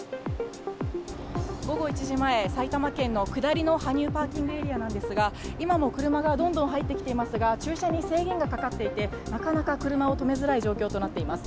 午後１時前、埼玉県の下りの羽生パーキングエリアなんですが、今も車がどんどん入ってきていますが、駐車に制限がかかっていて、なかなか車を止めづらい状況となっています。